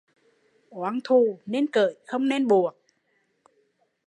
Oán thù nên cởi không nên buộc